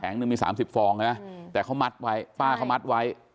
แผงหนึ่งมีสามสิบฟองนะแต่เขามัดไว้ป้าเขามัดไว้